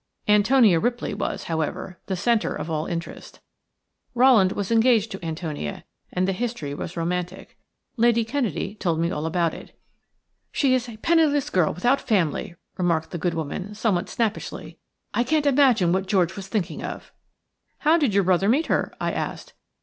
Antonia Ripley was, however, the centre of all interest. Rowland was engaged to Antonia, and the history was romantic. Lady Kennedy told me all about it. "LADY KENNEDY TOLD ME ALL ABOUT IT." "She is a penniless girl without family," remarked the good woman, somewhat snappishly. "I can't imagine what George was thinking of." "How did your brother meet her?" I asked.